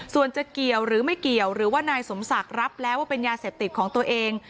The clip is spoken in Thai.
ส่วนจะเกี่ยวหรือไม่เกี่ยวหรือว่านายสมศักดิ์รับแล้วว่าเป็นยาเสพติดของตัวเอง